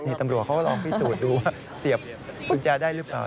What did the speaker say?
นี่ตำรวจเขาก็ลองพิสูจน์ดูว่าเสียบกุญแจได้หรือเปล่า